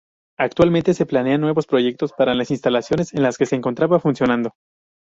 Actualmente se planean nuevos proyectos para las instalaciones en las que se encontraba funcionando.